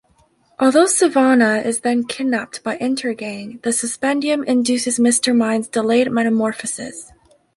Although Sivana is then kidnapped by Intergang, the Suspendium induces Mister Mind's delayed metamorphosis.